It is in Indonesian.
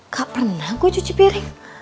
gak pernah gue cuci piring